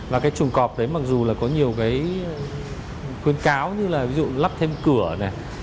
và cái chuồng cọp đấy mặc dù là có nhiều cái khuyến cáo như là ví dụ lắp thêm cửa này